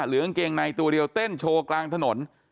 กางเกงในตัวเดียวเต้นโชว์กลางถนน